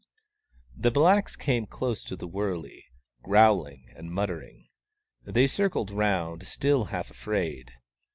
The blacks came close to the wurley, growling and muttering. They circled round, still half afraid.